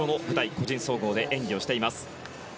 個人総合で演技をしています。